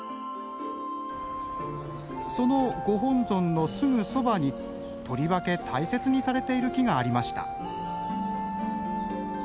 そのご本尊のすぐそばにとりわけ大切にされている木がありました。